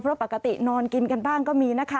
เพราะปกตินอนกินกันบ้างก็มีนะคะ